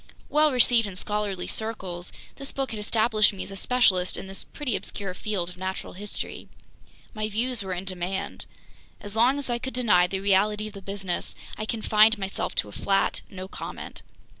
Well received in scholarly circles, this book had established me as a specialist in this pretty obscure field of natural history. My views were in demand. As long as I could deny the reality of the business, I confined myself to a flat "no comment."